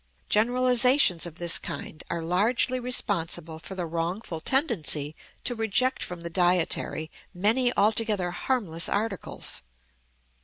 Generalizations of this kind are largely responsible for the wrongful tendency to reject from the dietary many altogether harmless articles.